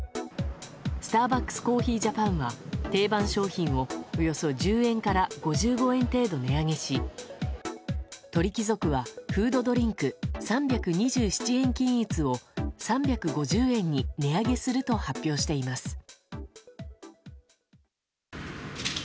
スターバックスコーヒージャパンは定番商品をおよそ１０円から５５円程度値上げし鳥貴族はフード・ドリンク３２７円均一を３５０円に値上げすると発表しています。